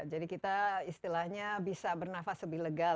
jadi kita istilahnya bisa bernafas lebih lega